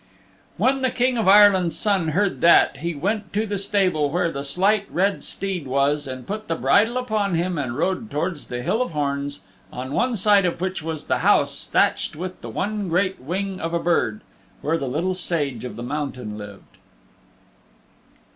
When the King of Ireland's Son heard that, he went to the stable where the Slight Red Steed was, and put the bridle upon him and rode towards the Hill of Horns, on one side of which was the house thatched with the one great wing of a bird, where the Little Sage of the Mountain lived.